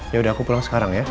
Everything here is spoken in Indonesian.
yaudah aku pulang sekarang ya